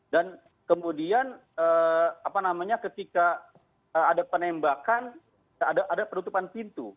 dan kemudian apa namanya ketika ada penembakan ada penutupan pintu